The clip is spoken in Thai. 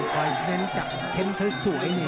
ปล่อยเน้นจักรเค้มสุดสวยอย่างนี้